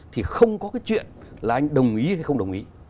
thì không có cái chuyện là anh đồng ý hay không đồng ý